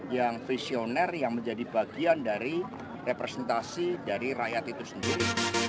yang visioner yang menjadi bagian dari representasi dari rakyat itu sendiri